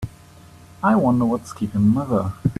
I wonder what's keeping mother?